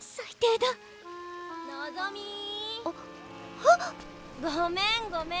はっ！ごめんごめん。